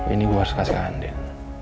ini gue harus kasih ke andien